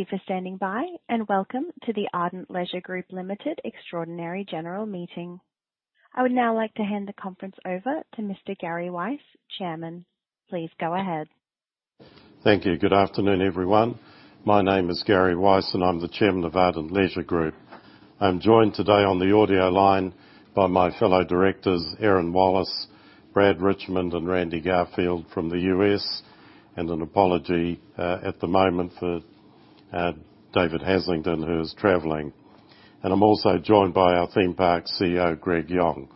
Thank you for standing by, and welcome to the Ardent Leisure Group Limited Extraordinary General Meeting. I would now like to hand the conference over to Mr. Gary Weiss, Chairman. Please go ahead. Thank you. Good afternoon, everyone. My name is Gary Weiss, and I'm the Chairman of Ardent Leisure Group. I'm joined today on the audio line by my fellow directors, Erin Wallace, Brad Richmond, and Randy Garfield from the U.S., and an apology at the moment for David Haslingden, who is traveling. I'm also joined by our Theme Parks CEO, Greg Yong.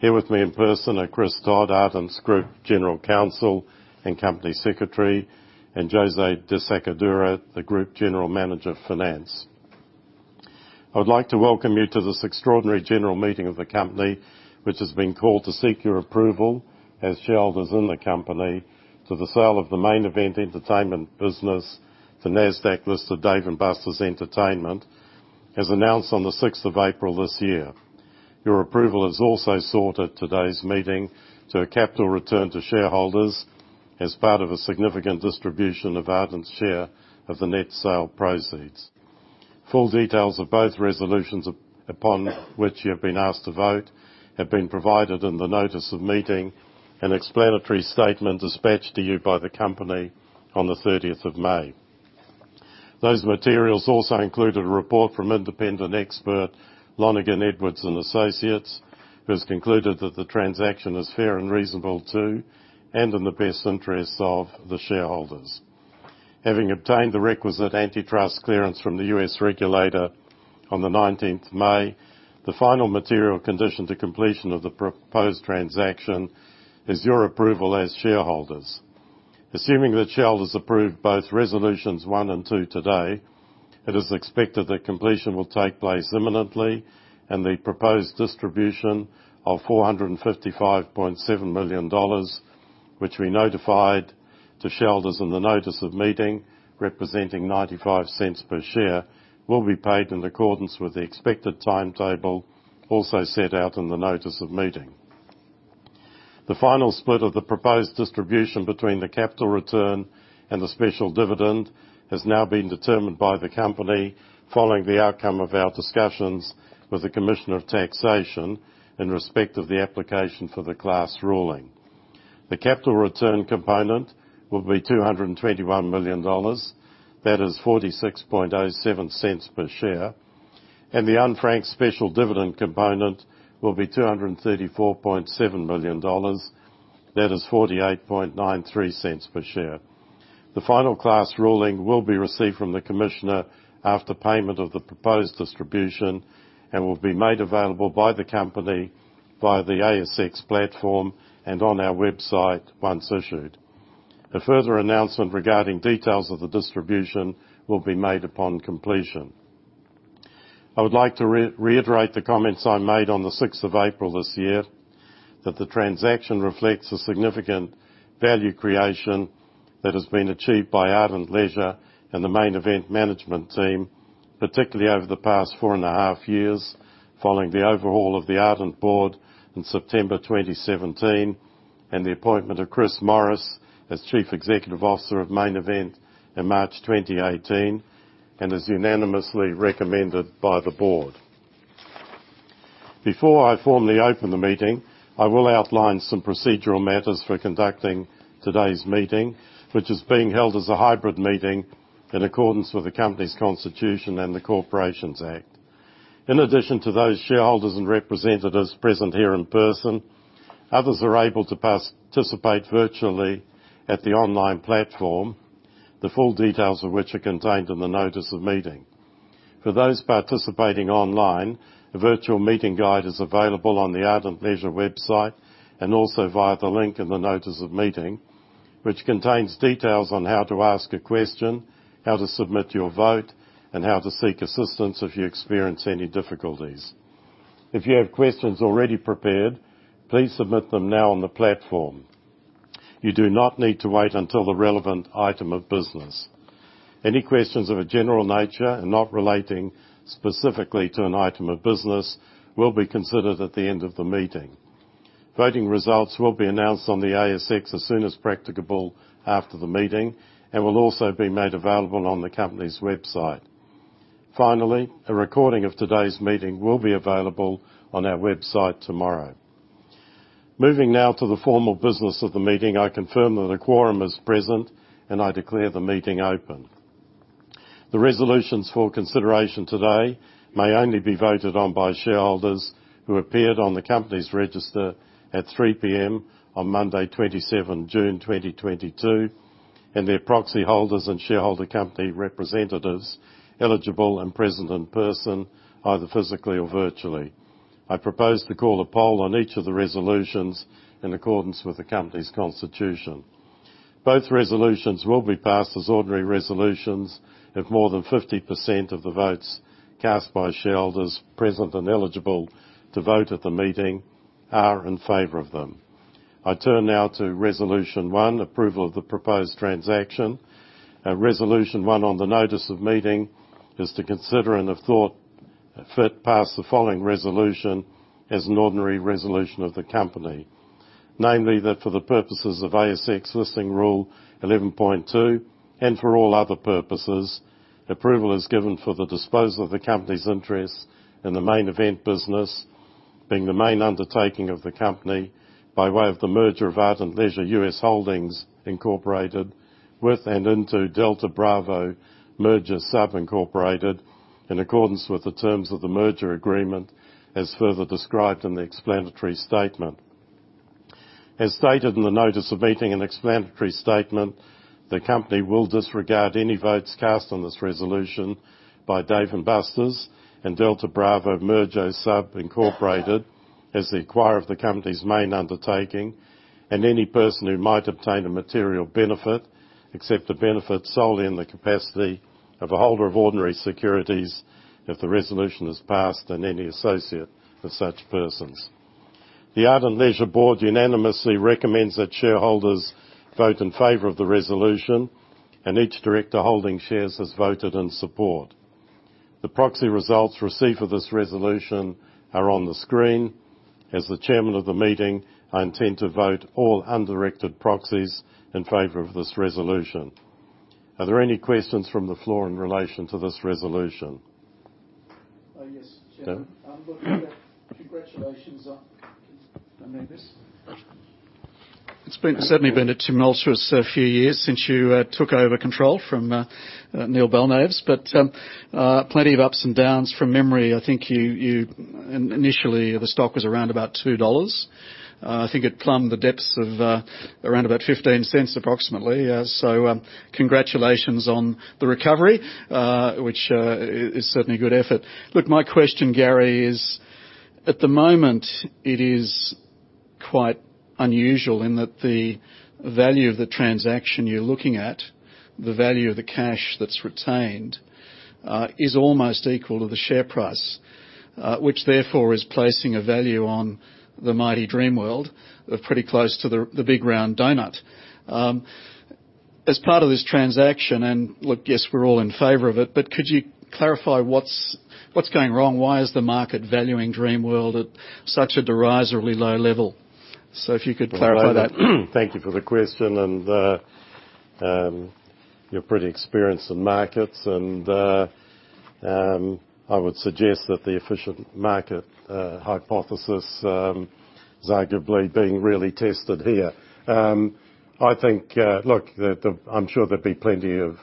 Here with me in person are Chris Todd, Ardent's Group General Counsel and Company Secretary, and José de Sacadura, the Group General Manager of Finance. I would like to welcome you to this extraordinary general meeting of the company, which has been called to seek your approval as shareholders in the company to the sale of the Main Event Entertainment business to Nasdaq-listed Dave & Buster's Entertainment, as announced on the 6th of April this year. Your approval is also sought at today's meeting to a capital return to shareholders as part of a significant distribution of Ardent's share of the net sale proceeds. Full details of both resolutions upon which you have been asked to vote have been provided in the Notice of Meeting and explanatory statement dispatched to you by the company on the 30th of May. Those materials also included a report from independent expert Lonergan Edwards & Associates Limited, who's concluded that the transaction is fair and reasonable to, and in the best interest of, the shareholders. Having obtained the requisite antitrust clearance from the U.S. regulator on the 19th of May, the final material condition to completion of the proposed transaction is your approval as shareholders. Assuming that shareholders approve both resolutions one and two today, it is expected that completion will take place imminently, and the proposed distribution of 455.7 million dollars, which we notified to shareholders in the Notice of Meeting, representing 0.95 per share, will be paid in accordance with the expected timetable also set out in the Notice of meeting. The final split of the proposed distribution between the capital return and the special dividend has now been determined by the company following the outcome of our discussions with the Commissioner of Taxation in respect of the application for the class ruling. The capital return component will be 221 million dollars. That is 0.4607 per share. The unfranked special dividend component will be 234.7 million dollars. That is 0.4893 per share. The final class ruling will be received from the Commissioner after payment of the proposed distribution and will be made available by the company via the ASX platform and on our website once issued. A further announcement regarding details of the distribution will be made upon completion. I would like to reiterate the comments I made on the sixth of April this year that the transaction reflects a significant value creation that has been achieved by Ardent Leisure and the Main Event management team, particularly over the past 4.5 years following the overhaul of the Ardent Board in September 2017, and the appointment of Chris Morris as Chief Executive Officer of Main Event in March 2018, and is unanimously recommended by the Board. Before I formally open the meeting, I will outline some procedural matters for conducting today's meeting, which is being held as a hybrid meeting in accordance with the company's constitution and the Corporations Act. In addition to those shareholders and representatives present here in person, others are able to participate virtually at the online platform, the full details of which are contained in the Notice of Meeting. For those participating online, a virtual meeting guide is available on the Ardent Leisure website, and also via the link in the Notice of Meeting, which contains details on how to ask a question, how to submit your vote, and how to seek assistance if you experience any difficulties. If you have questions already prepared, please submit them now on the platform. You do not need to wait until the relevant item of business. Any questions of a general nature and not relating specifically to an item of business will be considered at the end of the meeting. Voting results will be announced on the ASX as soon as practicable after the meeting and will also be made available on the company's website. Finally, a recording of today's meeting will be available on our website tomorrow. Moving now to the formal business of the meeting, I confirm that a quorum is present, and I declare the meeting open. The resolutions for consideration today may only be voted on by shareholders who appeared on the company's register at 3:00 P.M. on Monday, 27 June 2022, and their proxy holders and shareholder company representatives eligible and present in person, either physically or virtually. I propose to call a poll on each of the resolutions in accordance with the company's constitution. Both resolutions will be passed as ordinary resolutions if more than 50% of the votes cast by shareholders present and eligible to vote at the meeting are in favor of them. I turn now to Resolution 1, approval of the proposed transaction. Resolution 1 on the Notice of Meeting is to consider and, if thought fit, pass the following resolution as an ordinary resolution of the company. Namely that for the purposes of ASX Listing Rule 11.2, and for all other purposes, approval is given for the disposal of the company's interest in the Main Event business, being the main undertaking of the company, by way of the merger of Ardent Leisure US Holding Inc. with and into Delta Bravo Merger Sub, Inc., in accordance with the terms of the merger agreement, as further described in the explanatory statement. As stated in the Notice of Meeting and explanatory statement, the company will disregard any votes cast on this resolution by Dave & Buster's and Delta Bravo Merger Sub, Inc. as the acquirer of the company's main undertaking, and any person who might obtain a material benefit except the benefit solely in the capacity of a holder of ordinary securities if the resolution is passed, and any associate of such persons. The Ardent Leisure Group Board unanimously recommends that shareholders vote in favor of the resolution, and each director holding shares has voted in support. The proxy results received for this resolution are on the screen. As the chairman of the meeting, I intend to vote all undirected proxies in favor of this resolution. Are there any questions from the floor in relation to this resolution? Yes, Chairman. Yeah. Look, congratulations on this. It's been certainly a tumultuous few years since you took over control from Neil Balnaves, but plenty of ups and downs from memory. I think initially the stock was around about 2 dollars. I think it plumbed the depths of around about 0.15 approximately. Congratulations on the recovery, which is certainly a good effort. Look, my question, Gary, is at the moment, it is quite unusual in that the value of the transaction you're looking at, the value of the cash that's retained, is almost equal to the share price, which therefore is placing a value on the mighty Dreamworld pretty close to the big round donut. As part of this transaction, and look, yes, we're all in favor of it, but could you clarify what's going wrong? Why is the market valuing Dreamworld at such a derisively low level? If you could clarify that. Thank you for the question and you're pretty experienced in markets and I would suggest that the efficient market hypothesis is arguably being really tested here. I think look I'm sure there'd be plenty of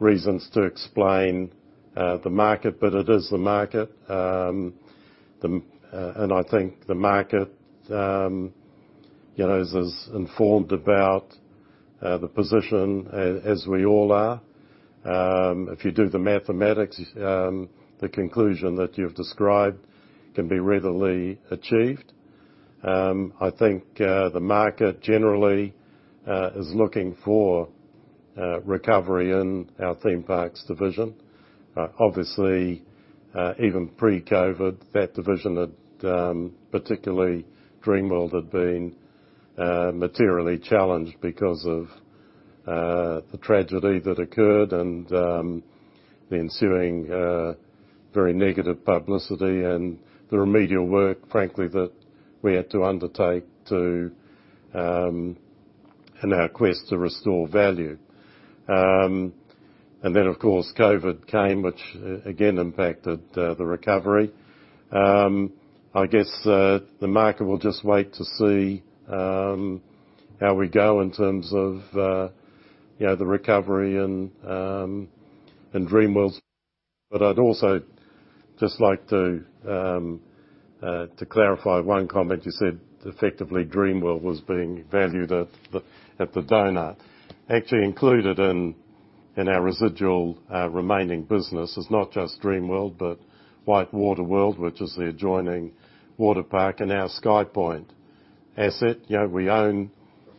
reasons to explain the market but it is the market. I think the market you know is as informed about the position as we all are. If you do the mathematics the conclusion that you've described can be readily achieved. I think the market generally is looking for recovery in our theme parks division. Obviously, even pre-COVID, that division had, particularly Dreamworld, had been materially challenged because of the tragedy that occurred and the ensuing very negative publicity and the remedial work, frankly, that we had to undertake in our quest to restore value. Of course, COVID came, which again impacted the recovery. I guess the market will just wait to see how we go in terms of, you know, the recovery and Dreamworld. I'd also just like to clarify one comment you said. Effectively, Dreamworld was being valued at naught. Actually included in our residual remaining business is not just Dreamworld, but WhiteWater World, which is the adjoining water park and our SkyPoint asset. You know, we own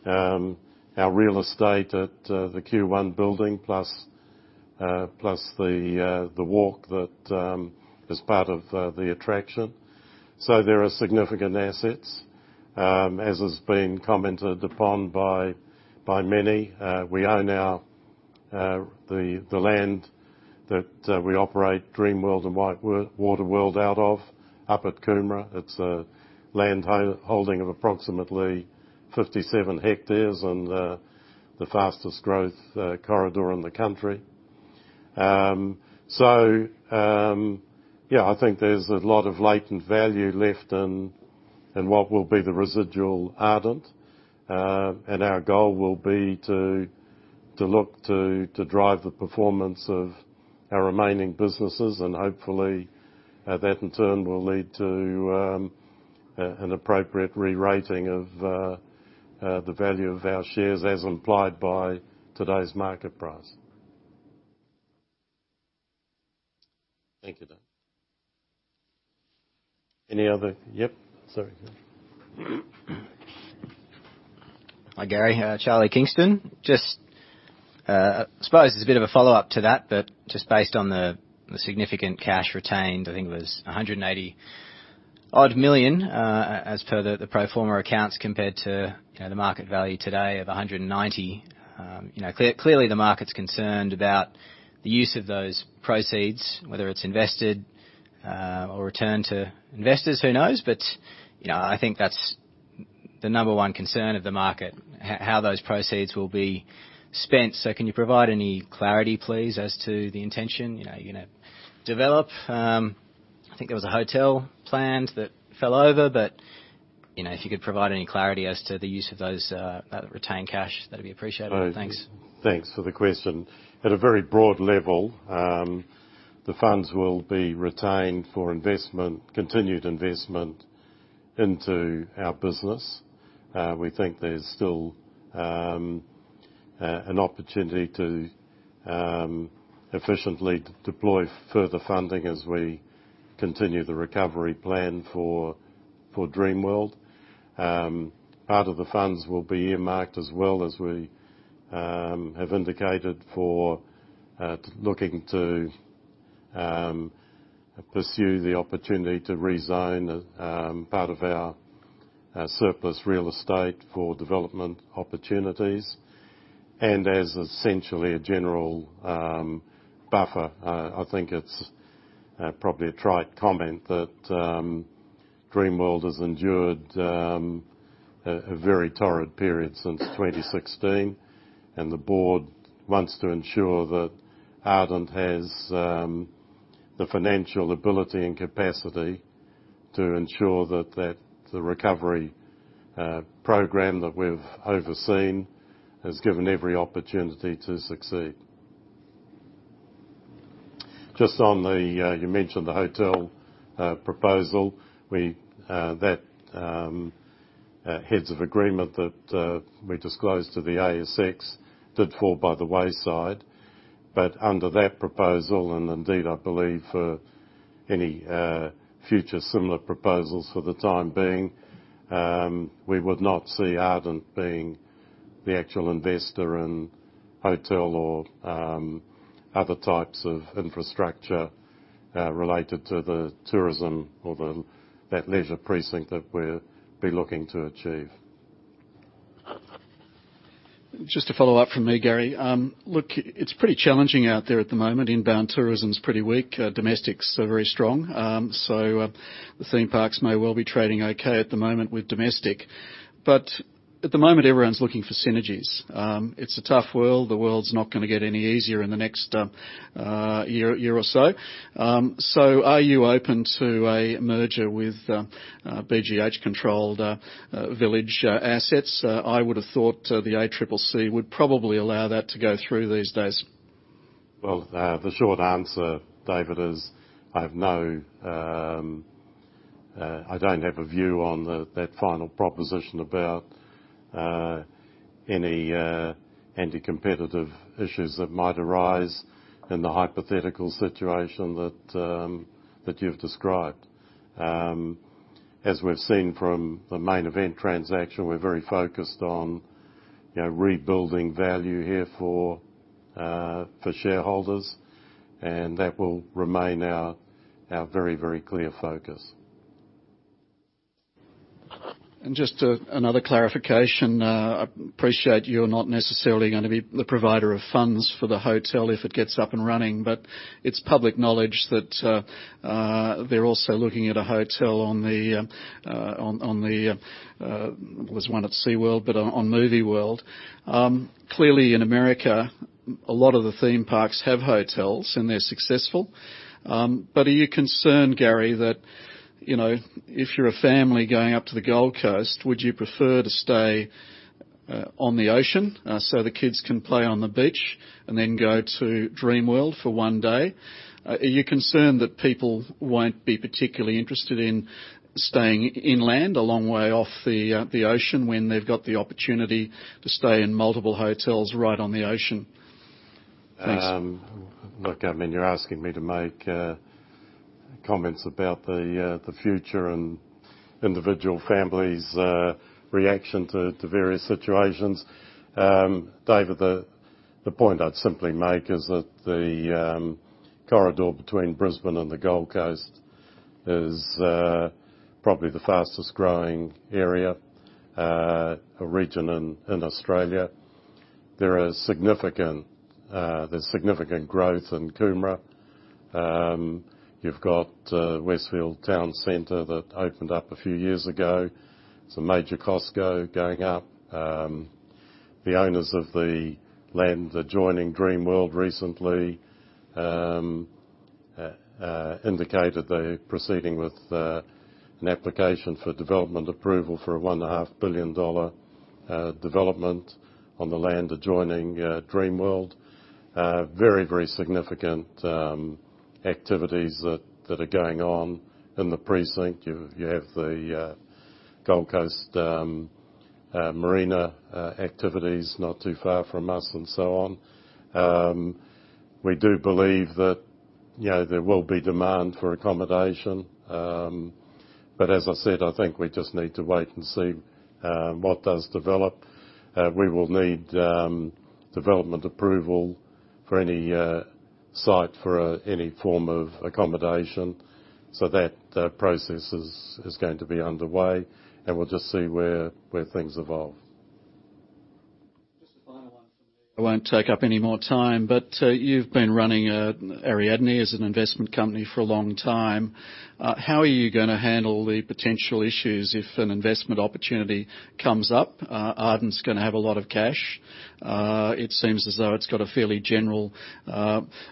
our real estate at the Q1 building, plus the walk that is part of the attraction. There are significant assets. As has been commented upon by many, we own the land that we operate Dreamworld and WhiteWater World out of up at Coomera. It's a land holding of approximately 57 hectares and the fastest growth corridor in the country. Yeah, I think there's a lot of latent value left in what will be the residual Ardent. Our goal will be to look to drive the performance of our remaining businesses, and hopefully that in turn will lead to an appropriate re-rating of the value of our shares as implied by today's market price. Thank you, Dan. Yep. Sorry. Hi, Gary. Charlie Kingston. Just suppose it's a bit of a follow-up to that, but just based on the significant cash retained, I think it was 180-odd million, as per the pro forma accounts, compared to, you know, the market value today of 190 million. You know, clearly the market's concerned about the use of those proceeds, whether it's invested or returned to investors, who knows? But, you know, I think that's the number one concern of the market, how those proceeds will be spent. So can you provide any clarity, please, as to the intention? You know, are you gonna develop? I think there was a hotel planned that fell over, but, you know, if you could provide any clarity as to the use of those retained cash, that'd be appreciated. Thanks. Thanks for the question. At a very broad level, the funds will be retained for investment, continued investment into our business. We think there's still an opportunity to efficiently deploy further funding as we continue the recovery plan for Dreamworld. Part of the funds will be earmarked as well as we have indicated for looking to pursue the opportunity to rezone part of our surplus real estate for development opportunities and as essentially a general buffer. I think it's probably a trite comment that Dreamworld has endured a very torrid period since 2016, and the Board wants to ensure that Ardent has the financial ability and capacity to ensure that the recovery program that we've overseen has given every opportunity to succeed. Just on the hotel proposal you mentioned. Heads of agreement that we disclosed to the ASX did fall by the wayside. Under that proposal, and indeed I believe for any future similar proposals for the time being, we would not see Ardent being the actual investor in hotel or other types of infrastructure related to the tourism or that leisure precinct that we're looking to achieve. Just a follow-up from me, Gary. Look, it's pretty challenging out there at the moment. Inbound tourism's pretty weak. Domestic's are very strong. The theme parks may well be trading okay at the moment with domestic. At the moment, everyone's looking for synergies. It's a tough world. The world's not gonna get any easier in the next year or so. Are you open to a merger with BGH-controlled Village assets? I would have thought the ACCC would probably allow that to go through these days. Well, the short answer, David, is I have no, I don't have a view on that final proposition about any anti-competitive issues that might arise in the hypothetical situation that you've described. As we've seen from the Main Event transaction, we're very focused on, you know, rebuilding value here for shareholders, and that will remain our very clear focus. Just another clarification. Appreciate you're not necessarily gonna be the provider of funds for the hotel if it gets up and running, but it's public knowledge that they're also looking at a hotel on Movie World. There was one at Sea World. Clearly in America, a lot of the theme parks have hotels, and they're successful. Are you concerned, Gary, that you know, if you're a family going up to the Gold Coast, would you prefer to stay on the ocean so the kids can play on the beach and then go to Dreamworld for one day? Are you concerned that people won't be particularly interested in staying inland a long way off the ocean when they've got the opportunity to stay in multiple hotels right on the ocean? Thanks. Look, I mean, you're asking me to make comments about the future and individual families' reaction to various situations. David, the point I'd simply make is that the corridor between Brisbane and the Gold Coast is probably the fastest growing area, region in Australia. There's significant growth in Coomera. You've got Westfield Town Centre that opened up a few years ago. There's a major Costco going up. The owners of the land adjoining Dreamworld recently indicated they're proceeding with an application for development approval for a 1.5 billion dollar development on the land adjoining Dreamworld. Very significant activities that are going on in the precinct. You have the Gold Coast marina activities not too far from us and so on. We do believe that, you know, there will be demand for accommodation. As I said, I think we just need to wait and see what does develop. We will need development approval for any site for any form of accommodation, so that process is going to be underway, and we'll just see where things evolve. I won't take up any more time, but you've been running Ariadne as an investment company for a long time. How are you gonna handle the potential issues if an investment opportunity comes up? Ardent's gonna have a lot of cash. It seems as though it's got a fairly general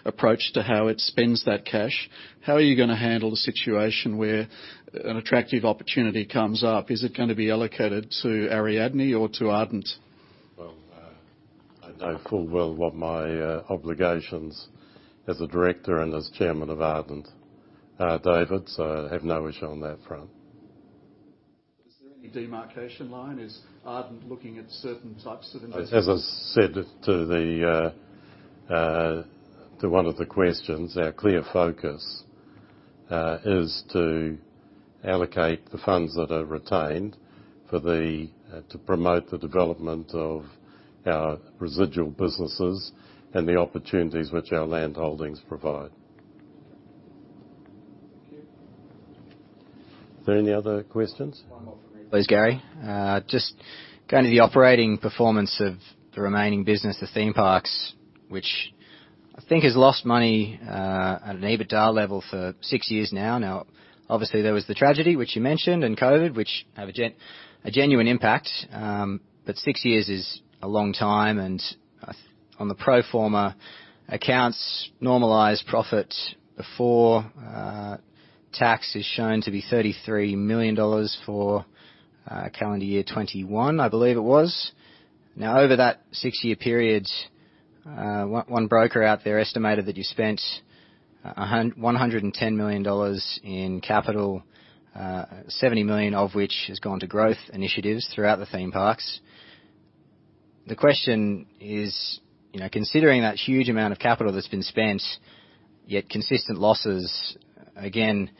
approach to how it spends that cash. How are you gonna handle the situation where an attractive opportunity comes up? Is it gonna be allocated to Ariadne or to Ardent? Well, I know full well what my obligations as a Director and as Chairman of Ardent, David, so I have no issue on that front. Is there any demarcation line? Is Ardent looking at certain types of investments? As I said to one of the questions, our clear focus is to allocate the funds that are retained to promote the development of our residual businesses and the opportunities which our land holdings provide. Thank you. Are there any other questions? One more from me. Please, Gary. Just kind of the operating performance of the remaining business, the theme parks, which I think has lost money at an EBITDA level for six years now. Now, obviously, there was the tragedy, which you mentioned, and COVID, which have a genuine impact. But six years is a long time, and on the pro forma accounts, normalized profit before tax is shown to be 33 million dollars for calendar year 2021, I believe it was. Now, over that six-year period, one broker out there estimated that you spent 110 million dollars in capital, 70 million of which has gone to growth initiatives throughout the theme parks. The question is, you know, considering that huge amount of capital that's been spent, yet consistent losses, again,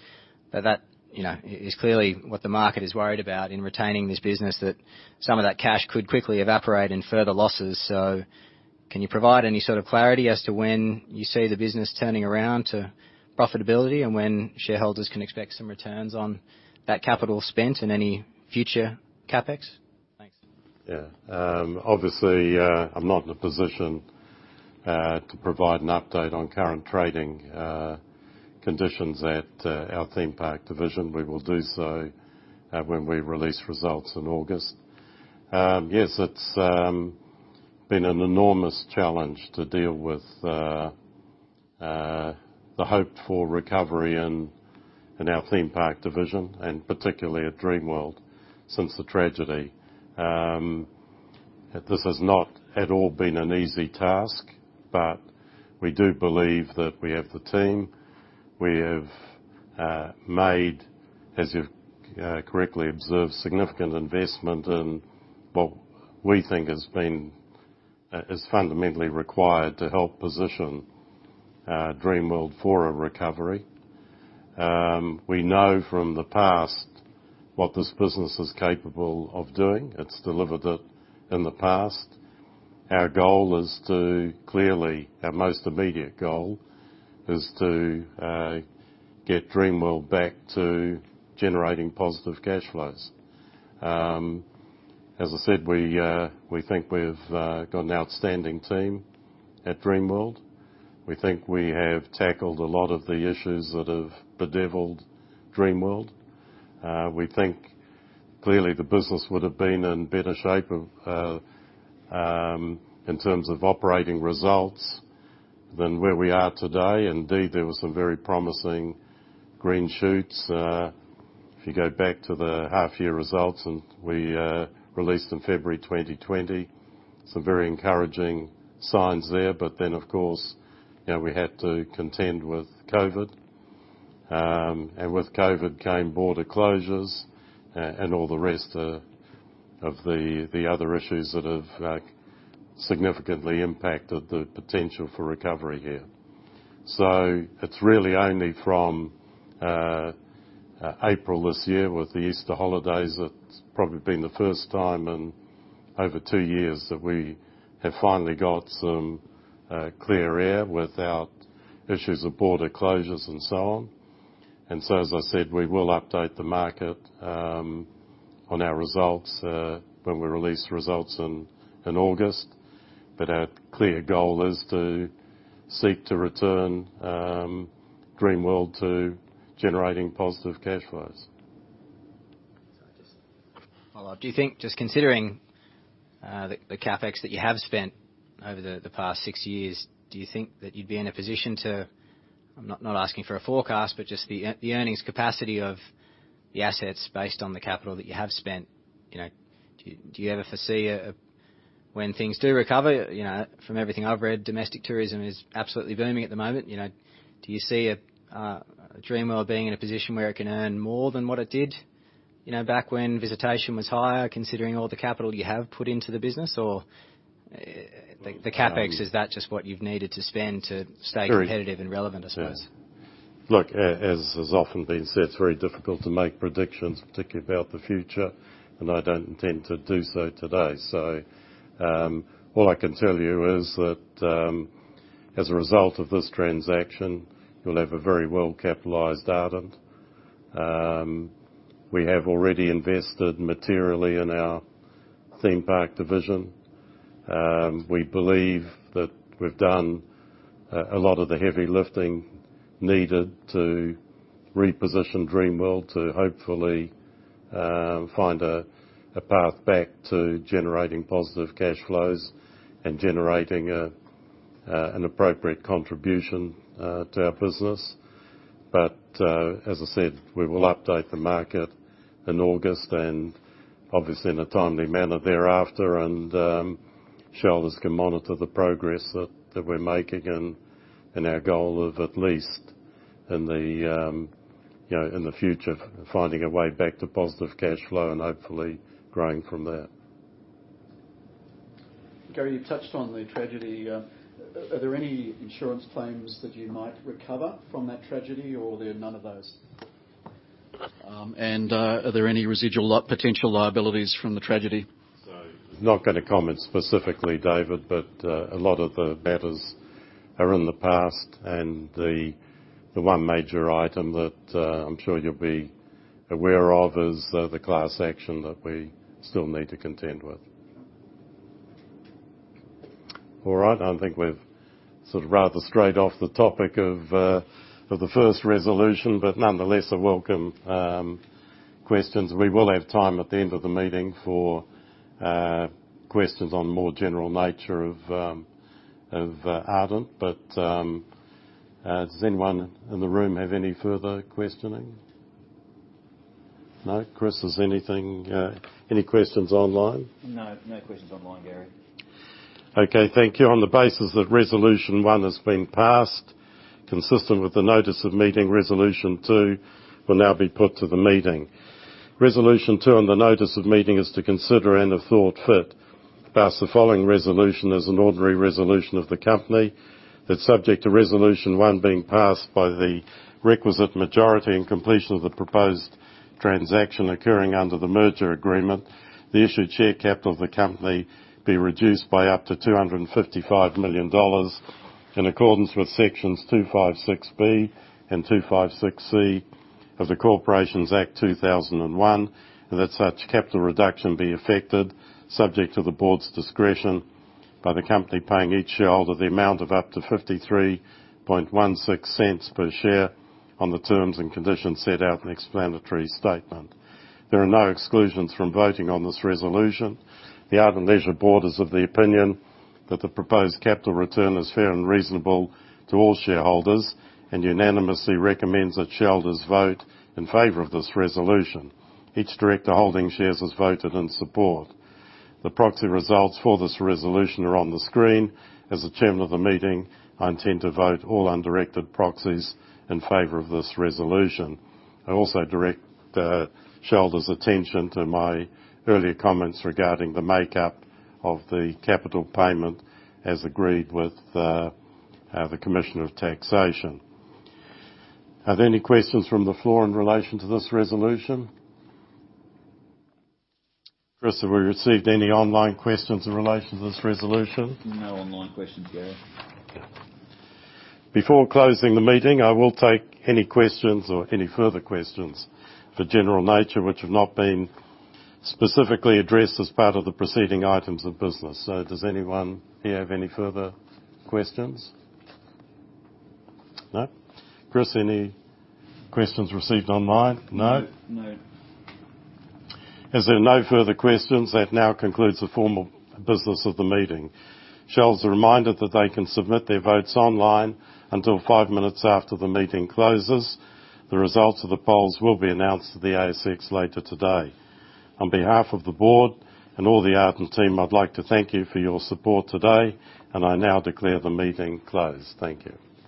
that, you know, is clearly what the market is worried about in retaining this business, that some of that cash could quickly evaporate in further losses. Can you provide any sort of clarity as to when you see the business turning around to profitability and when shareholders can expect some returns on that capital spent and any future CapEx? Thanks. Yeah. Obviously, I'm not in a position to provide an update on current trading conditions at our theme park division. We will do so when we release results in August. Yes, it's been an enormous challenge to deal with the hope for recovery in our theme park division, and particularly at Dreamworld since the tragedy. This has not at all been an easy task, but we do believe that we have the team. We have made, as you've correctly observed, significant investment in what we think is fundamentally required to help position Dreamworld for a recovery. We know from the past what this business is capable of doing. It's delivered it in the past. Our goal is to. Clearly, our most immediate goal is to get Dreamworld back to generating positive cash flows. As I said, we think we've got an outstanding team at Dreamworld. We think we have tackled a lot of the issues that have bedeviled Dreamworld. We think, clearly, the business would have been in better shape in terms of operating results than where we are today. Indeed, there were some very promising green shoots. If you go back to the half-year results and we released in February 2020, some very encouraging signs there. Of course, you know, we had to contend with COVID. With COVID came border closures, and all the rest of the other issues that have significantly impacted the potential for recovery here. It's really only from April this year with the Easter holidays that's probably been the first time in over two years that we have finally got some clear air without issues of border closures and so on. As I said, we will update the market on our results when we release results in August. Our clear goal is to seek to return Dreamworld to generating positive cash flows. I just follow up. Do you think, just considering, the CapEx that you have spent over the past six years, do you think that you'd be in a position to. I'm not asking for a forecast, but just the earnings capacity of the assets based on the capital that you have spent. You know, do you ever foresee a, when things do recover, you know, from everything I've read, domestic tourism is absolutely booming at the moment. You know, do you see Dreamworld being in a position where it can earn more than what it did, you know, back when visitation was higher, considering all the capital you have put into the business? Or, the CapEx, is that just what you've needed to spend to stay competitive and relevant, I suppose? Look, as has often been said, it's very difficult to make predictions, particularly about the future, and I don't intend to do so today. All I can tell you is that, as a result of this transaction, you'll have a very well-capitalized Ardent. We have already invested materially in our theme park division. We believe that we've done a lot of the heavy lifting needed to reposition Dreamworld to hopefully find a path back to generating positive cash flows and generating an appropriate contribution to our business. As I said, we will update the market in August and obviously in a timely manner thereafter. Shareholders can monitor the progress that we're making in our goal of, at least in the future, you know, finding a way back to positive cash flow and hopefully growing from there. Gary, you touched on the tragedy. Are there any insurance claims that you might recover from that tragedy or are there none of those? Are there any residual potential liabilities from the tragedy? Not gonna comment specifically, David, but a lot of the matters are in the past and the one major item that I'm sure you'll be aware of is the class action that we still need to contend with. All right. I think we've sort of rather strayed off the topic of the first resolution, but nonetheless, I welcome questions. We will have time at the end of the meeting for questions on more general nature of Ardent. Does anyone in the room have any further questioning? No. Chris, is anything? Any questions online? No, no questions online, Gary. Okay. Thank you. On the basis that Resolution 1 has been passed, consistent with the Notice of Meeting Resolution 2 will now be put to the meeting. Resolution 2 on the Notice of Meeting is to consider and, if thought fit, pass the following resolution as an ordinary resolution of the company. That subject to resolution one being passed by the requisite majority and completion of the proposed transaction occurring under the merger agreement, the issued share capital of the company be reduced by up to 255 million dollars in accordance with sections 256B and 256C of the Corporations Act 2001, and that such capital reduction be effected subject to the Board's discretion by the company paying each shareholder the amount of up to 0.5316 per share on the terms and conditions set out in the explanatory statement. There are no exclusions from voting on this resolution. The Ardent Leisure Board is of the opinion that the proposed capital return is fair and reasonable to all shareholders, and unanimously recommends that shareholders vote in favor of this resolution. Each director holding shares has voted in support. The proxy results for this resolution are on the screen. As the chairman of the meeting, I intend to vote all undirected proxies in favor of this resolution. I also direct shareholders' attention to my earlier comments regarding the makeup of the capital payment as agreed with the Commissioner of Taxation. Are there any questions from the floor in relation to this resolution? Chris, have we received any online questions in relation to this resolution? No online questions, Gary. Before closing the meeting, I will take any questions or any further questions of a general nature which have not been specifically addressed as part of the preceding items of business. Does anyone here have any further questions? No. Chris, any questions received online? No. No. As there are no further questions, that now concludes the formal business of the meeting. Shareholders are reminded that they can submit their votes online until five minutes after the meeting closes. The results of the polls will be announced to the ASX later today. On behalf of the Board and all the Ardent team, I'd like to thank you for your support today, and I now declare the meeting closed. Thank you.